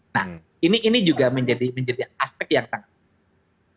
nah ini juga menjadi aspek yang sangat penting